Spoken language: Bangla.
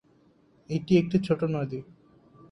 এটি একটি ছোটো নদী।